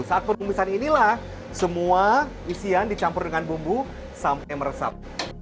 saat penumisan inilah semua isian dicampur dengan bumbu sampai meresap